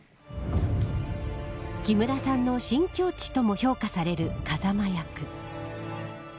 木村さんの新境地とも評価される風間役。